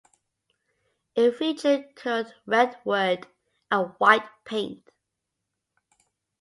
It featured curled redwood and white paint.